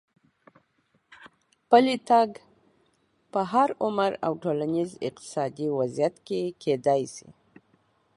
پلی تګ په هر عمر او ټولنیز اقتصادي وضعیت کې کېدای شي.